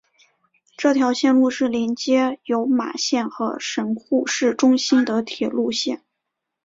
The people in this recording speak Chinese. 这条线路是连接有马线和神户市中心的铁路线。